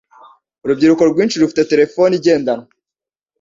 Urubyiruko rwinshi rufite terefone igendanwa.